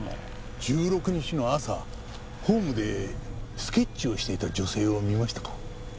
１６日の朝ホームでスケッチをしていた女性を見ましたか？